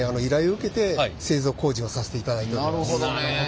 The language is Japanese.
なるほど。